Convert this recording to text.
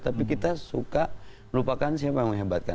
tapi kita suka lupakan siapa yang menghebatkan